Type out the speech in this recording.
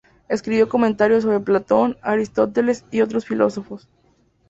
Escribió comentarios sobre Platón, Aristóteles, y otros filósofos.